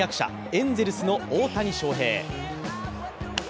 エンゼルスの大谷翔平。